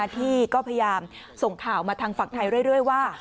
ที่ก็พยายามส่งข่าวมาทางฝั่งไทยเรื่อยว่า